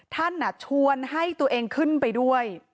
ท่านอะชวนให้ตัวเองขึ้นไปด้วย